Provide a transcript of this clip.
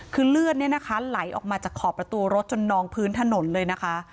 คือเลือดเนี่ยนะคะไหลออกมาจากขอบประตูรถจนนองพื้นถนนเลยนะคะ